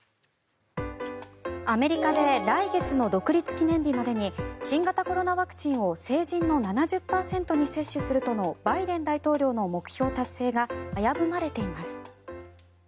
アメリカで来月の独立記念日までに新型コロナワクチンを成人の７０％に接種するとのバイデン大統領の目標達成が危ぶまれています。